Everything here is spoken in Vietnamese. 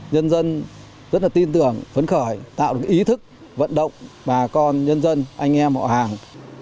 nhân dân rất là tin tưởng phấn khởi tạo được ý thức vận động bà con nhân dân anh em họ hàng